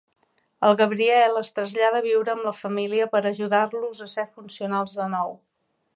El Gabriel es trasllada a viure amb la família per ajudar-los a ser funcionals de nou.